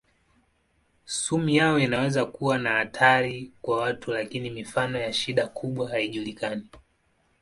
Sumu yao inaweza kuwa na hatari kwa watu lakini mifano ya shida kubwa haijulikani.